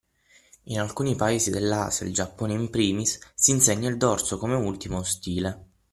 In alcuni Paesi dell’Asia (il Giappone in primis) si insegna il dorso come ultimo stile